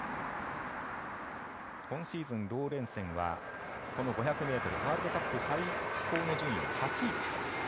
今シーズン、ローレンセンはこの５００ｍワールドカップ最高の順位は８位でした。